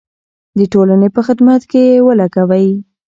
د ټولنې په خدمت کې یې ولګوئ.